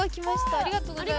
ありがとうございます。